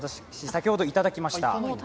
先ほど私いただきました。